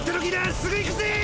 すぐ行くぜ！